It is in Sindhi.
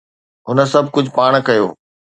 هن سڀ ڪجهه پاڻ ڪيو